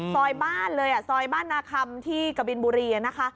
ซอยบ้านเลยซอยบ้านนาคัมที่กฎบิลบุรี